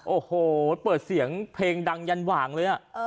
โอ้โหเปิดเสียงเพลงดังยันหว่างเลย